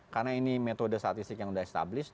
karena ini metode statistik yang sudah established